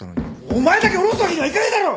お前だけ降ろすわけにはいかねえだろ！